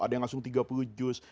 ada yang langsung tiga puluh juz